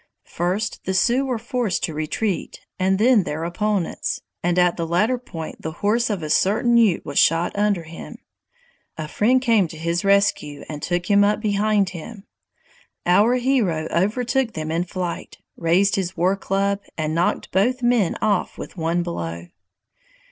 First the Sioux were forced to retreat and then their opponents, and at the latter point the horse of a certain Ute was shot under him. A friend came to his rescue and took him up behind him. Our hero overtook them in flight, raised his war club, and knocked both men off with one blow.